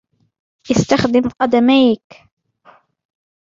استخدم قدميك.